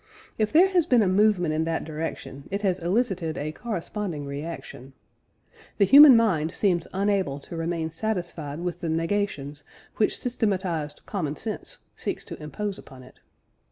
If there has been a movement in that direction, it has elicited a corresponding reaction. The human mind seems unable to remain satisfied with the negations which systematised common sense seeks to impose upon it.